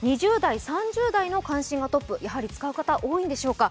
２０代、３０代の関心がトップやはり使うこと多いんでしょうか